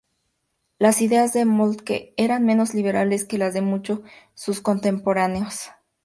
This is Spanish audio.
Las ideas de Moltke eran menos liberales que las de muchos de sus contemporáneos.